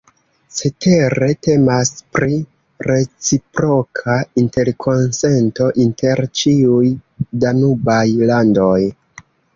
Cetere, temas pri reciproka interkonsento inter ĉiuj danubaj landoj.